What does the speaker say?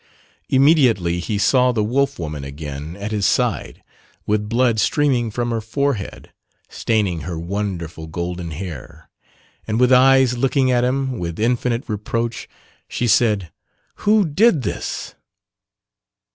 Immediately he saw the wolf woman again at his side with blood streaming from her forehead, staining her wonderful golden hair, and with eyes looking at him with infinite reproach, she said "Who did this?"